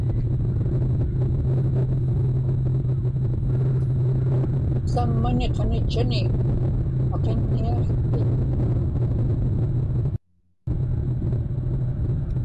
saŋmani qanitchani paqinniaġikkiñ